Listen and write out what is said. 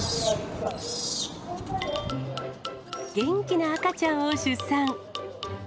元気な赤ちゃんを出産。